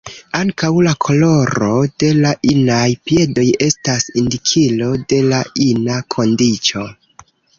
Ankaŭ la koloro de la inaj piedoj estas indikilo de la ina kondiĉo.